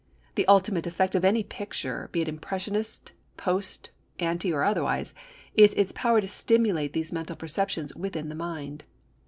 The ultimate effect of any picture, be it impressionist, post, anti, or otherwise is its power to stimulate these mental perceptions within the mind.